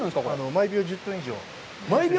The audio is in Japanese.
毎秒１０トン以上！